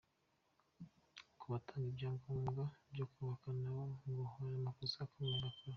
Ku batanga ibyangombwa byo kubaka nabo ngo hari amakosa akomeye bakora.